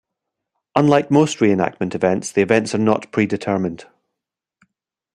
Unlike most reenactment events, the events are not pre-determined.